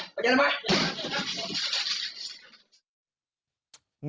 ไปเย็นไหม